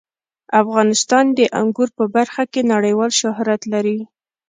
افغانستان د انګور په برخه کې نړیوال شهرت لري.